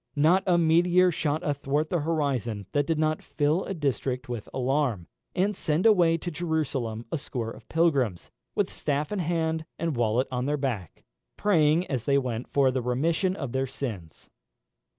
Not a meteor shot athwart the horizon that did not fill a district with alarm, and send away to Jerusalem a score of pilgrims, with staff in hand and wallet on their back, praying as they went for the remission of their sins.